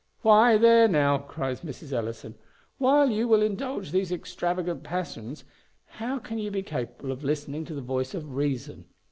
"Why, there now," cries Mrs. Ellison, "while you will indulge these extravagant passions, how can you be capable of listening to the voice of reason?